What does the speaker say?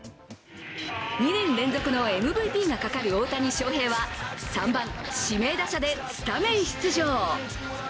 ２年連続のＭＶＰがかかる大谷翔平は３番・指名打者でスタメン出場。